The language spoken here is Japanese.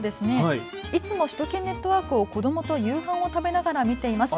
いつも首都圏ネットワークを子どもと夕飯を食べながら見ています。